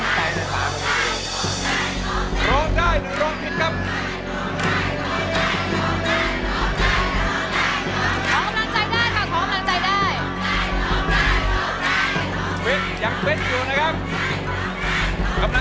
คุณโทนี่ร้องได้พยายาม